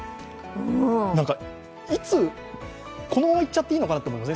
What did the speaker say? このままいっちゃっていいのかなと思いません？